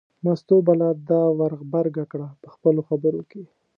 مستو به لا دا ور غبرګه کړه په خپلو خبرو کې.